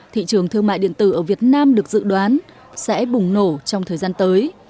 thị trường thương mại điện tử ở việt nam được dự đoán sẽ bùng nổ trong thời gian tới